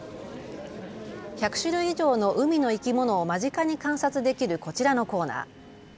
１００種類以上の海の生き物を間近に観察できるこちらのコーナー。